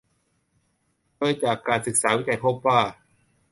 โดยจากการศึกษาวิจัยพบว่า